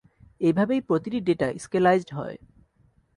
এভাবেই প্রতিটি ডেটা স্কেলাইজড হয়।